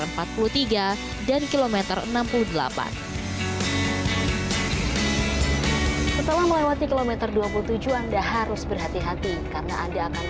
setelah melewati kilometer dua puluh tujuh anda harus berhati hati karena anda akan menghadapi jalan yang bergelombang dan juga terdapat beberapa lubang yang cukup dalam dan juga menjaga kecepatan kendaraan anda berada di bawah delapan puluh km per jam